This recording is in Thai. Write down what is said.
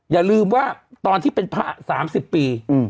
อย่าลืมว่าตอนที่เป็นพระ๓๐ปี